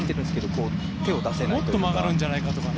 もっと曲がるんじゃないかとか。